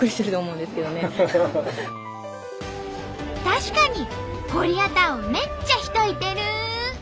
確かにコリアタウンめっちゃ人いてる！